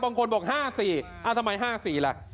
บางคนบอก๕สี่อ้าวทำไม๕สี่ล่ะ